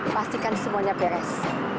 pastikan semuanya beres